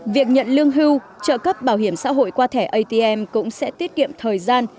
việc nhận lương hưu trợ cấp bảo hiểm xã hội qua thẻ atm cũng sẽ tiết kiệm thời gian